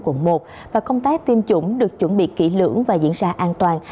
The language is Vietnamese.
quận một và công tác tiêm chủng được chuẩn bị kỹ lưỡng và diễn ra an toàn